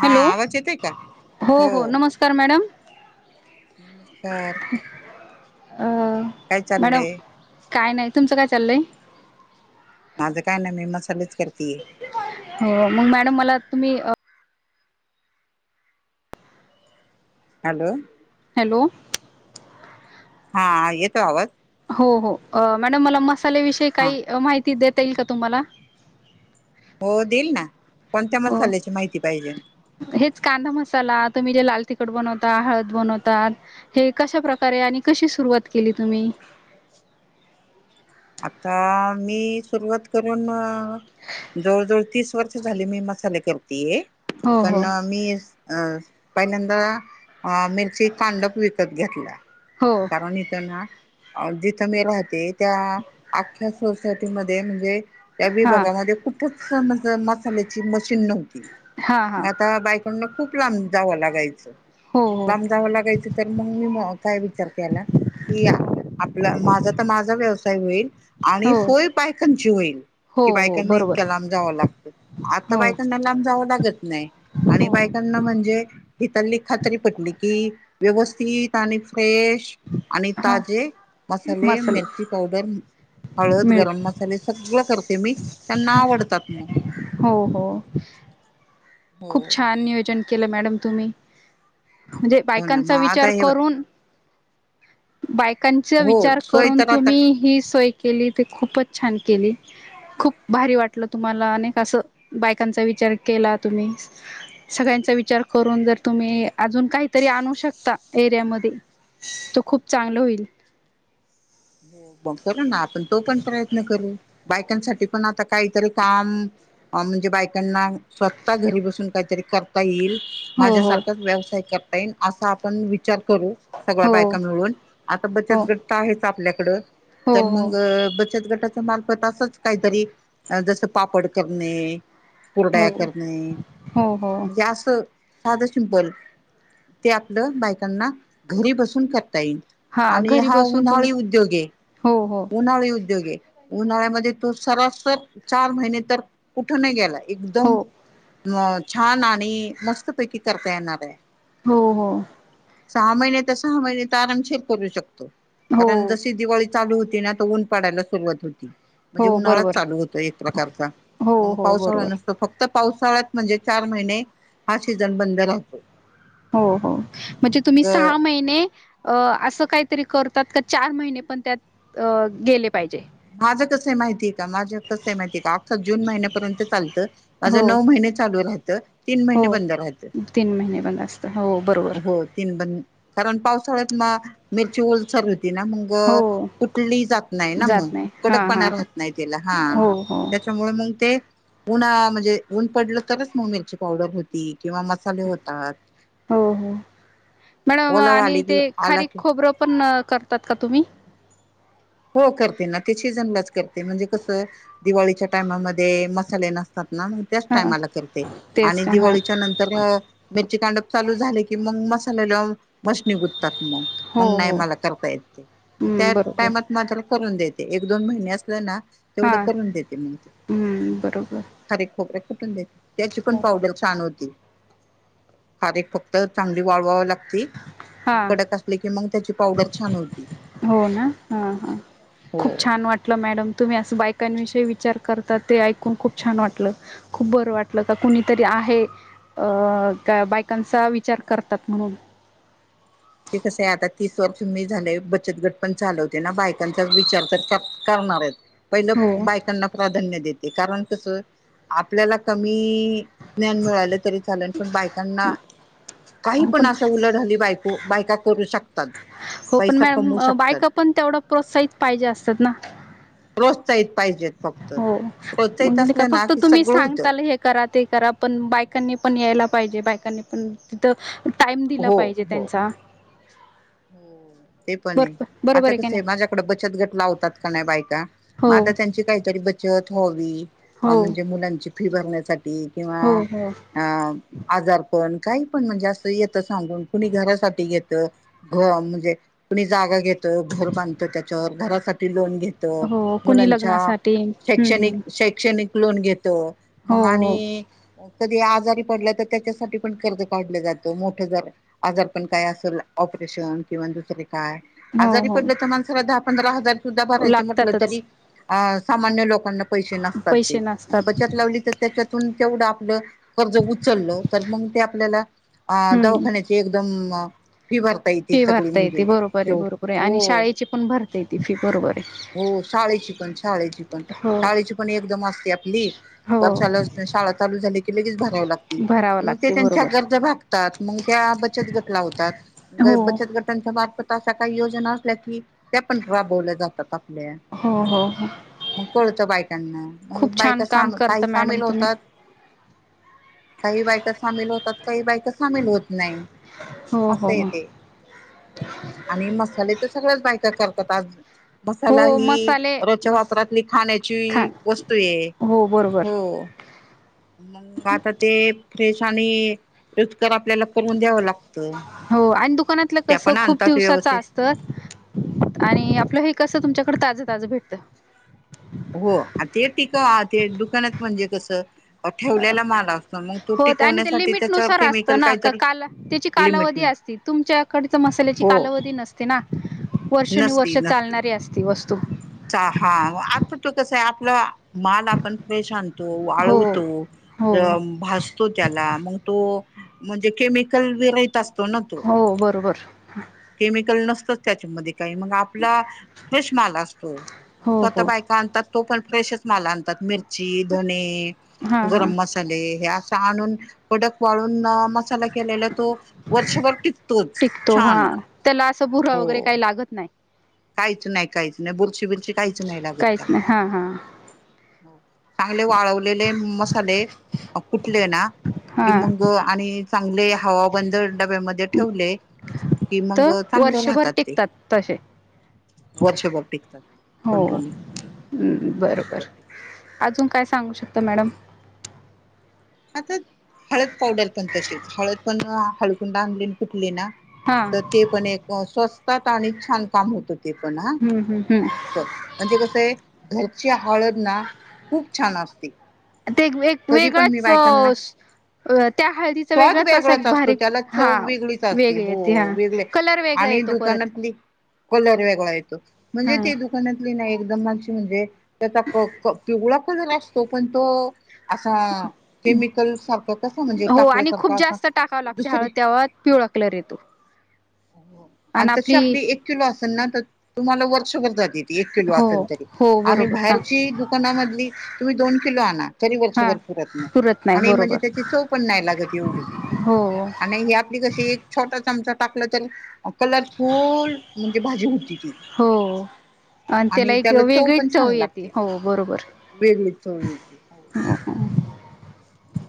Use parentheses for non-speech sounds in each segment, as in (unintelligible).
हा हॅलो! आवाज येतोय का? हो हो नमस्कार मॅडम. नमस्कार! अ काय मॅडम चाललंय? काय नाही. तुमचं काय चाललंय? माझं काय नाही मी मसालेच करतेय. हो मग मॅडम मला तुम्ही हॅलो! हॅलो. हा येतोय आवाज? हो हो. मॅडम मला मसाल्याविषयी हा काही माहिती देत? येईल का तुम्हाला? हो देईल ना. कोणत्या हो. मसाल्याची माहिती पाहिजे? हेच कांदा मसाला तुम्ही जे लाल तिखट बनवता हळद बनवतात हे कशा प्रकारे आणि कशी सुरुवात केली तुम्ही? आता- मी सुरुवात करून जवळ -जवळ तीस वर्ष झाली. मी मसाले करतीये. हो पण हो मी अ पहिल्यांदा अ मिरची कांडप विकत घेतला. हो कारण इथ ना अ जिथं मी राहते त्या आख्ख्या सोसायटीमध्ये म्हणजे त्या हां विभागामध्ये कुठच मस मसाल्याची मशीन नव्हती. हां मग हां आता बा पण खूप लांब जावं लागायचं. हो हो लांब जाव लागायच, तर मग मी काय विचार केला की- आपला माझा तर माझा व्यवसाय होईल आणि हो सोय बायकांची होईल. हो कि हो बायकांना बरोबर इतक्या लांब जावं लागतं. आता हो बायकांना लांब जावं लागत नाही. आणि हो बायकांना म्हणजे हिथल्ली खात्री पटली कि व्यवस्थित आणि फ्रेश आणि हां ताजे मसाले, मिरची पावडर हळद, गरम मिळत मसाले सगळ करते मी. त्यांना आवडतात. हो हो खूप छान! नियोजन केलं मॅडम तुम्ही. म्हणजे हो ना मग बायकांचा आता विचार हे करून बायकांचा हो विचार सोय करून तर आता तुम्ही ही सोय केली. ते खूपच छान केली. खूप भारी वाटलं तुम्हाला अनेक असं. बायकांचा विचार केला तुम्ही. सगळ्यांचा विचार करून जर तुम्ही अजून काय तरी आणू शकता एरियामध्ये तर खूप चांगलं होईल. हो मग करू ना. आपण तो पण प्रयत्न करू. बायकांसाठी पण आता काहीतरी काम अ म्हणजे बायकांना स्वतः घरी बसून काहीतरी करता येईल हो हो माझ्यासारखाच व्यवसाय कर अस आपण विचार करू. सगळ्या हो बायका मिळून, आता बचत हो गट आहे. आपल्याकड तर हो मंग बचत गट मार्फत असच काहीतरी जस पापड करणे- हो कुरडाया हो करणे हो हो म्हणजे असं साधं सिंपल. ते आपलं बायकांना घरी बसून कर -ता येईल हा आणि घरी हा बसून तुम्ही उन्हाळी उद्योगए. हो हो उन्हाळी उद्योग - उद्योग उन्हाळ्यामध्ये तो सरासर चार महिने तर- कुठं नाही गेला. हो एकदम अ- छान आणि मस्त पैकी करता येणारे. हो हो. सहा महिने तर सहा महिने तर आरामशीर करू शकतो. हो कारण जशी दिवाळी- चालू होती ना त ऊन पडायला सुरुवात होती. म्हणजे हो उन्हाळाच बरोबर चालू होतो एक प्रकारचा. हो मग हो पावसाळा बरोबर नसतो फक्त पाऊस- सळ्यात म्हणजे चार महिने हा सीझन बंद राहतो. हो हो. म्हणजे तुम्ही मग सहा महिने- अ असं काहीतरी करतात, का चार महिने पण त्यात अ गेले पाहिजे. माझं कस आहे माहिती आहे- का? माझ कस आहे माहितीए का? आमचं जून महिन्यापर्यंत चालतं. हो माझं नऊ महिने चालू राहतं- तीन महिने हो बंद राहाचे. तीन महिने बंद असतं हो बरोबर हो तीन ब- कारण पावसाळ्यात म मिरची ओलसर हो- ती ना मग हो तुटली जात नाही ना मग, जात नाही हा हा कडकपणा हा राहत नाही त्याला हा. हो हो त्याच्यामुळे मग ते उन्हाळा म्हणजे ऊन पडलं तरच मग मिरची पावडर होती. किंवा मसाले होतात. हो मॅडम ओलावा आणि आले ते की आला खारीक, की खोबरं पण अ करतात का तुम्ही? हो करते ना ते शिजनलाच करते म्हणजे कसं, दिवाळीच्या टायमामध्ये मसाले नसतात ना मग त्याच हा टाइमाला करते, तेच आणि ना हा दिवाळीच्या नंतर अ मिरची कांडप चालू झाले की मग मस् नि लावून मशनी गुततात मग, हो मग नाय हो मला करता येत ते, मग त्या हं, बरोबर टायमात मात्र करून देते, एक दोन महिने असलं ना तेवढं हां करून देते मग ते, ह हं, बरोबर खारीेक खोबरं कुटून देते. त्याची पण हो पावडर छान होती, खारीक फक्त चांगली वाळवावं लागती. मग हां कडक असले कि मग त्याची पावडर छान होती. हो ना हां खूप हो छान वाटलं मॅडम तुम्ही असं बायकांविश् जे विचार करतात ते ऐकून खूप छान वाटलं, खूप बरं वाटलं का कुणीतरी आहे अ का बायकांचा विचार करतात म्हणून. ते कसंय आता तीस वर्ष मी झाले बचत गट पण चालवते ना बायकांचा विचार तर कर कर नारच पहिलं हो बायकांना प्राधान्य देते, कारण कसं आपल्याला कमी ज्ञान मिळालं तरी चालण पण बायकांना काही पण अशा उलाढाली बायको बायका करू शकतात. हो पण पैसा मॅम कमवू शकतात बायका पण तेवढं प्रोत्साहित पाहिजे असतात ना? प्रोत्साहित पाहिजेत फक्त हो, प्रोत्साहित म्हणजे नाय का असल्या ना फक्त की तुम्ही सगळं होतं सांगताल हे करा ते करा पण बायकांनी पण या पाहीजे, बायकानी पण, तिथ टाईम दिला हो पाहिजे हो त्यांचा. हो ते पण आहे. बरोबर बरोबर आता का कस नाही आहे, माझ्याकडं बचत घटला लावतात का नाही बायका, मग हो आता त्यांची काहीतरी ब चत होवी, हो म्हणजे मुलांची फी भरण्या किंवा हो हो अ आजार पण काही पण म्हणजे असं येत सांगून. कुणी घरासाठी घेत, म्हणजे कुणी जागा घेत. घर बांधतो त्याच्यावर, घरासाठी लोन घेतो हो कुणी मुलांच्या. लग्नासाठी हम्म, हम्म. शैक्षणिक-शैक्षणिक लोन घेतो, हो मग हो आणि. कधी आजारी पडला तर त्याच्यासाठी पण कर्ज काढलं जातं. मोठं जर आजार पण काय असेल ऑपरेशन किंवा दुसरं काय. हो आजारी पडल तर हो माणसाला दहा- पंधरा हजार सुद्धा भरायचे होत नाही लागतातच तरी, सामान्य लोकं काना पैसे नसतात पैसे ते, नसतात बचत लावली तर त्याच्यातून तेवढं आपलं कर्ज उचललं, तर मग ते आपल्याला अ हम्म दवाखान्याचे एकदम फि भरा फी भरता येते बरोबर आहे, बरोबर आहे, आणि हो शाळेची पण भरता येते फी बरोबर आहे. हो शाळेची पण, शाळेची पण, हो शाळेची पण एकदम असते आपली. हो वर्षाला शाळा चालू झाली की लगेच भरावी लागती. भरावं मग ते लागते त्यांच्या बरोबर गरजा भागतात. मग त्या बचत गट लावतात, हो बचत गटांच्या बाया तश्या काही योजना असल्या की, त्या पण राबवल्या जातात. आपल्या हा, हा, हा. मग कळतं बायकांना, काही बायका काम साम करता काही मॅडम सामील तुम्ही होतात. काही बायका सामील होतात, काही बायका काही सामील होत नाही, हो हो असंय ते. आणि मसाले तर सगळ्याच बायका करतात आज! मसाला हो ही मसाले रोजच्या मस वापरातली खा खाण्याची वस्तूए. हो बरोबर हो, मग आता ते (unintelligible) आणि रुचकर आपल्याला करून द्यावं लाग हो आन दु कानातलं कसं खूप आणतात दिवसाचं व्यवस्थित असतं आणि आपलं हे कसं तुमच्या कडं ताजं ताजं भेटतं. हो, अन ते ति क आ ते दुकानात म्हणजे कसं अ ठेवलेला माल असतो अन मग तो हो आणि ते टिकवण्यासाठी त्याच्यावर लिमिटनुसार केमिकल काहीतरी लिमिटन ती तुमच्याकडचं मसाल्याची कालावधी नसते ना, नसती वर्षानुवर्ष नसती चालणारी असती वस चा हा आता तर कसंय आपलं माल आपण फ्रेश आणतो, हो वाळवतो, हो अ भासतो त्याला मग तो म्हणजे केमिकल विराइत असतो ना तो, हो बरोबर केमिकल नस तो त्याच्यामधी काय, मग आपला फ्रेश माल असतो, मग हो तो आता हो बायका आणतात तो पण फ्रेशच माल आणतात मिरची, धणे, हां हां गरम मसाले हे आस स आणून कडक वाळून अ मसाला केलेला तो वर्षभर टिकतोच टिकतो छान, हां त्याला असं भुरा वगैरे हो. काही लागत नाही काहीच नाही काहीच नाही बुरशी बिरशी काहीच नाही लागत काहीच त्याला. नाही हां हां हो चांगले वाळवलेले मसाले अ कुटले ना कि हां मग आणि चांगले हवाबंद डब्यामध्ये ठेवले, की मग तर चांगले वर्षभर राहतात ते. टिकतात तसे वर्षभर टिकतात, हो कंटिन्यु वर्षभर बरोबर टिकतात. अजून काय सांगू शकता मॅडम? आता हळद पावडर पण तशीच, हळद पण हाळकुंड आणली अन कुट ली ना हां तर ते पण एक स्वस्तात आणि छान काम होतं ते पण हा, हम्म हम्म हम्म मस्त म्हणजे कसंय घरची हळद ना खूप छान असती. अन ते एक वे वेगळंच श अ त्या हळदीचा स्वाद वेगळाच असा भारी असतो एक त्याला चव हा वेगळीच असते वेगळी हो येती, हा वेगळे कलर वेगळं आणि दुकानातली कलर वेगळा येतोच, हा म्हणजे ती दुकानातली नाय् एकदम अशी म्हणजे त्याचा क क पिवळा कलर असतो, पण तो असा केमिकल सारखा कसा म्हणजे हो आणि टाकल्यासारखा असा दुसरे ळा कलर येतो. आणि तशी आपली एक किलो असेल ना तर तुम्हाला वर्षभर जाती. एक किलो हो असल तरी हो आणि बरोबर हा बाहेरची दुकानामधली तुम्ही दोन किलो आणा तरी हा वर्षभर पुरत नाही, आणि म्हणजे त्याची चव पण नाही लागत एवढी. हो आणि हे आपली कशी एक छोटा चमचा टाकला तर अ कलरफुल म्हणजे भाजी होती ती. हो आणि त्याला एक वेगळीच चव येते, हो बरोबर. वेगळी चव येते (unintelligible)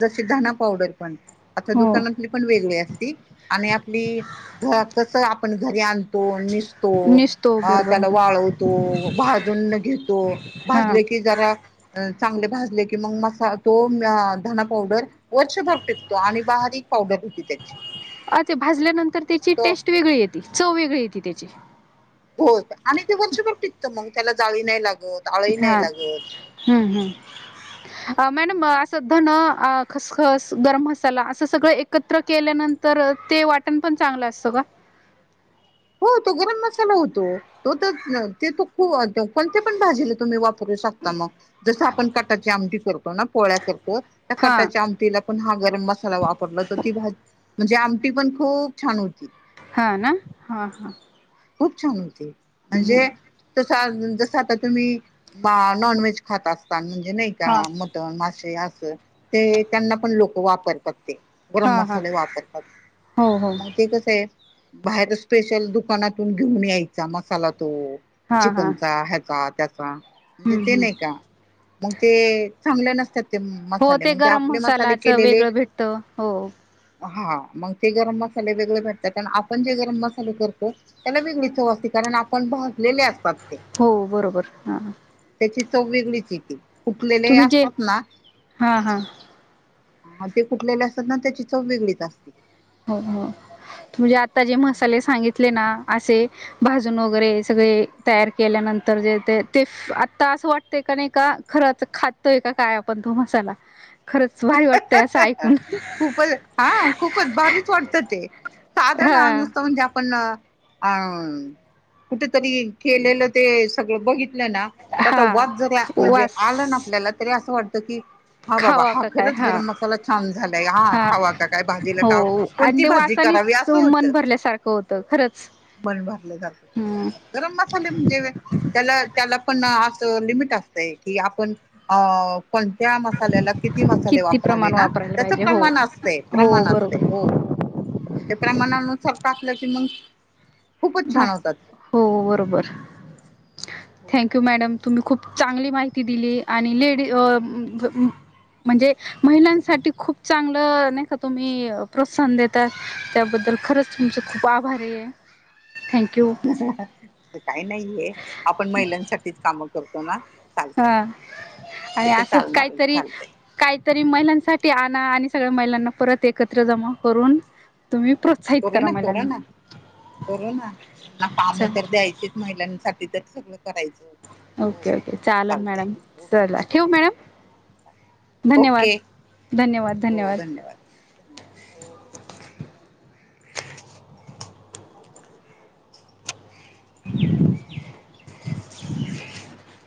जशी धना पावडर पण. आता हो दुकानातली पण वेगळी असती आणि आपली घरात कसं आप पण घरी आणतो निश पुसतो निसतो आ बरोबर त्याला वाळवतो, भाजून घेतो, हा भाजले की जरा अ चांगले भाजले की मग मसा तो अ धना पावडर वर्षभर टिकतो आणि बारीक पावडर होती त्याची. अ ते भाजल्यानंतर मग त्याची तो टेस्ट वेगळी येते, चव वेगळी येते त्याची. होत आणि ते वर्षभर टिकतं मग त्याला जाळी नाही लाग हा, हम्म हम्म, अ मॅडम असं धनं अ खसखस, गरम मसाला असं सगळं एकत्र केल्यानंतर ते वाटण पण चांगलं असतं का? (unintelligible) हो तो गरम मसाला होतो, तो तर ते तो खु अ कोणत्या पण भाजीला तुम्ही वापरू शकता मग, जसं आपण कटाची आमटी करतो ना पोळ्या कर तो त्या हा कटाच्या आमटीला पण हा गरम मसाला वापरला तर ती भा म्हणजे आमटी पण खूप छान होती. हा ना? हा हा. खूप छान होती, म्हणजे छान जसं आता तुम्ही मा नॉन व्हेज खात असतान म्हणजे नाही का हा मटन, मासे असं ते त्यांना पण लोक वापरतात. ते गरम हा हा मसाले वापरतात, हो हो मग ते कसे बाहेरच स्पेशल दुकानातून घेऊन यायचा मसाला तो हा हा चिकनचा ह्याचा त्याचा. म्हणजे हम्म ते हम्म नाही का, मग ते चांगलं नस त्याचे हो मसाले मग ते गरम आपले मसाले मसालाचं केलेले वेगळं भेटतं हो हा मग ते गरम मसाले वेगळे भेटतात आपण जे गरम मसा (unintelligible) त्याला वेगळी चव असते कारण आपण भाजलेले असतात. ते हो बरोबर हा. त्याची चव वेगळीच येते उकलेले जे असतात ना. हां हां हा ते कुठलेले असतात ना त्याची चव वेगळीच असते. हो हो म्हणजे आता जे मसाले सांगितले ना असे भाजून वगैरे सगळे तयार केल्यानंतर जे ते ते आता असं वाटतंय का नाही का खरंच खातोय का काय आपण. तो मसाला. खरंच भारी वाटतंय असं ऐकून खूपच हा खूपच भारीच. (unintelligible) ते साधाण हा नुसतं म्हणजे आपण अम कुठेतरी केलेलं ते सगळं बघित आपल्यांला त्याचा हा वास जरी म्हणजे आलं ना वास आपल्याला तरी असं वाटत की हा बाबा खावा हा. का काय खरंच हा गरम मसाला छान झालाय हा खावा का काय भाजीला खाव हो आणि कोणती ते भाजी करावी वासानीच असं मन होतं. भरल्यासारखं होत खरंच. पण भरले जात, हम्म गरम मसाले म्हणजे त्याला त्याला पण न अस. लिमिट असतंय की आपण कोणत्या मसाल्याला किती किती मसाले वापरावे प्रमाण ना वापरायला त्याच पाहिजे हो प्रमाण असते हो प्रमाण असते बरोबर हो. ते प्रमाणानुसार टाकलं की मग खूपच छान बास, होतात ते हो बरोबर, हो थँंक यू मॅडम. तुम्ही खूप चांगली माहिती दिली आणि लेडी अ म्हणजे महिलांसाठी खूप चांगलं नाही का तुम्ही प्रोत्साहन देता त्याबद्दल तर खरंच तुमचं खूप आभारी आहे. थँक्यू काही नाहीये आपण महिलांसाठीच कामं करतो ना. चालतंय हा, ते आणि तर असच चालणार काहीतरी, चालतंय काहीतरी आणि महिलांसाठी आणा आणि सगळ्या महिलांना परत एकत्र जमा करून. तुम्ही प्रोत्साहित करा कोरोना कोरोना, महिलांना कररोना, चालेल (unintelligible) महिलांसाठी तरी सगळं करायचं. हो ओके ओके चालेल चालतंय मॅडम ओके चला ठेवू हो मॅम. हो चालतंय धन्यवाद ओके धन्यवाद हो धन्यवाद. धन्यवाद हो हो (inaudible) (inaudible)